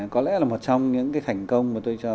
có lẽ là một trong những cái thành công mà tôi chú ý là